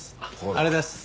ありがとうございます。